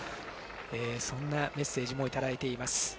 そんなメッセージもいただいています。